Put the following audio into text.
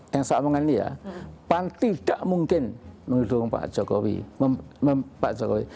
yang saya omongkan ini ya pan tidak mungkin mendukung pak jokowi pak jokowi